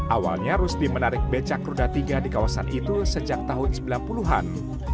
awalnya rusdi menarik becak roda tiga di kawasan itu sejak tahun sembilan puluh an